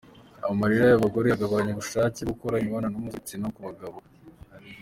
Amarira y’abagore agabanya ubushake bwo gukora imibonano mpuzabitsina ku abagabo